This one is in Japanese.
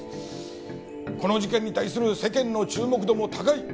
この事件に対する世間の注目度も高い。